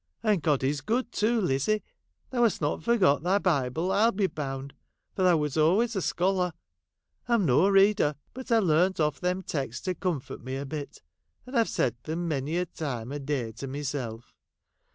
And God is good too, Lizzie. Thou hast not forgot thy Bible, I '11 be bound, for thou wert always a scholar. I 'm no reader, but I learnt off them texts to comfort me a bit, and I 've said them many a time a day to myself.